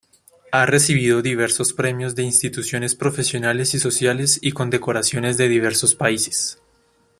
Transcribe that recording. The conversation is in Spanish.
Ha recibido diversos premios de instituciones profesionales y sociales y condecoraciones de diversos países.